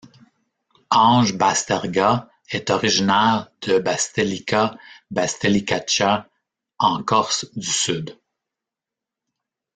Ange Basterga est originaire de Bastelica Bastelicaccia en Corse-du-Sud.